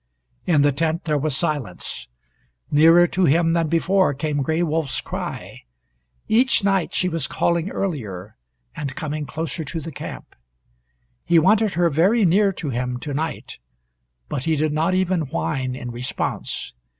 In the tent there was silence. Nearer to him than before came Gray Wolf's cry. Each night she was calling earlier, and coming closer to the camp. He wanted her very near to him to night, but he did not even whine in response.